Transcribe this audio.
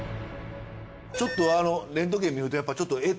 ちょっとあのレントゲン見るとやっぱちょっとえっ！？